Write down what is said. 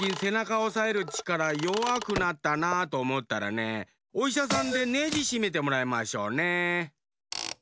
おさえるちからよわくなったなとおもったらねおいしゃさんでネジしめてもらいましょうね。